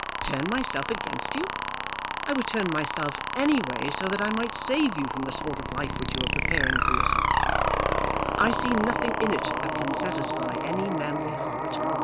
"Turn myself against you! I would turn myself any way so that I might save you from the sort of life which you are preparing for yourself. I see nothing in it that can satisfy any manly heart.